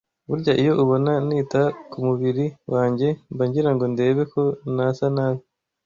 Burya iyo ubona nita ku mubiri wanjye mba ngirango ndebe ko nasa nawe